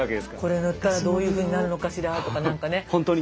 これ塗ったらどういうふうになるのかしらとか何かね。